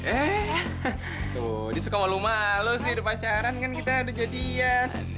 eh tuh dia suka mau lu malus nih udah pacaran kan kita udah jadian